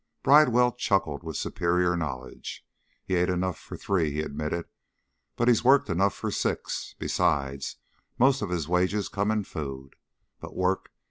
Bridewell chuckled with superior knowledge. "He's ate enough for three," he admitted, "but he's worked enough for six besides, most of his wages come in food. But work?